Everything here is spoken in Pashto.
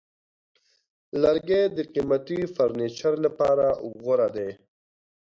لرګی د قیمتي فرنیچر لپاره غوره دی.